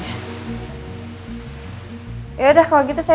yaudah kalau gitu saya berangkat kerja ya